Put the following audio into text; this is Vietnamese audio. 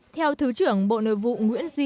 theo thứ trưởng bộ nội vụ nguyễn duyên